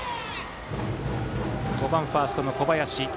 ５番、ファーストの小林。